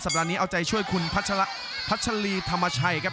ปรายนี้เอาใจช่วยคุณพัชรีธรรมชัยครับ